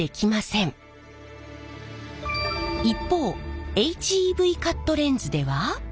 一方ＨＥＶカットレンズでは。